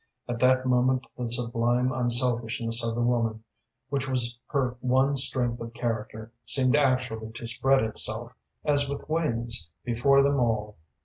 At that moment the sublime unselfishness of the woman, which was her one strength of character, seemed actually to spread itself, as with wings, before them all.